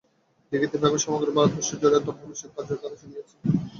দেখিতে পাইবেন, সমগ্র ভারতবর্ষ জুড়িয়া ধর্মবিষয়ক কার্যধারা চলিয়াছে।